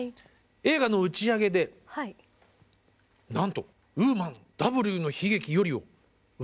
「映画の打ち上げでなんと『Ｗｏｍａｎ“Ｗの悲劇”より』を歌ってもらった」。